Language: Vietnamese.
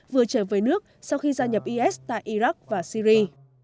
vừa trở về nước sau khi gia nhập is tại iraq và syri